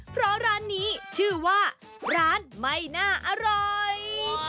เพราะร้านนี้ชื่อว่าร้านไม่น่าอร่อย